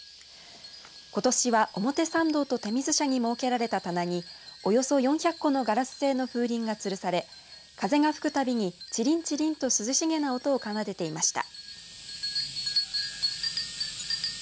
ことしは表参道と手水舎に設けられた棚におよそ４００のガラス製の風鈴がつるされ風が吹くたびにチリンチリンと涼しげな音を奏でていました。